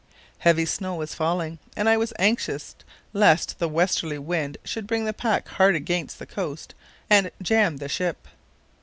Heavy snow was falling, and I was anxious lest the westerly wind should bring the pack hard against the coast and jam the ship.